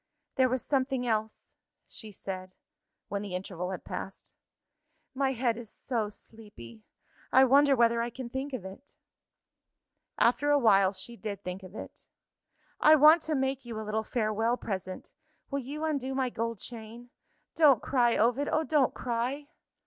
"There was something else," she said, when the interval had passed. "My head is so sleepy. I wonder whether I can think of it?" After a while, she did think of it. "I want to make you a little farewell present. Will you undo my gold chain? Don't cry, Ovid! oh, don't cry!"